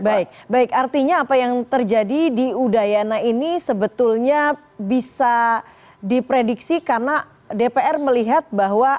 baik baik artinya apa yang terjadi di udayana ini sebetulnya bisa diprediksi karena dpr melihat bahwa